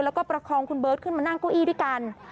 แล้วก็ประคองคุณเบิร์ตขึ้นมานั่งเก้าอี้ด้วยกัน